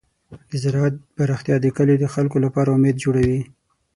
د زراعت پراختیا د کلیو د خلکو لپاره امید جوړوي.